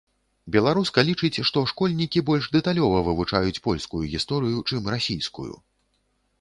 Беларуска лічыць, што школьнікі больш дэталёва вывучаюць польскую гісторыю, чым расійскую.